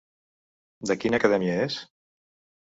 De quina acadèmia és?